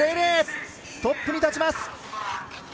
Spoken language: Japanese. トップに立ちます。